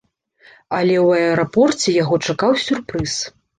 Але ў аэрапорце яго чакаў сюрпрыз.